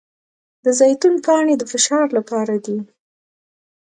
د زیتون پاڼې د فشار لپاره دي.